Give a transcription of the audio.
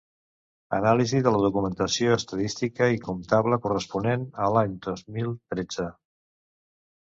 Anàlisi de la documentació estadística i comptable corresponent a l'any dos mil tretze.